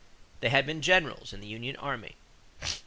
They had been generals in the union army.